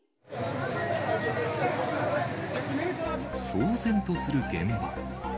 騒然とする現場。